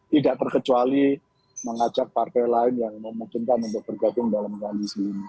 tidak terkecuali mengajak partai lain yang memungkinkan untuk bergabung dalam koalisi ini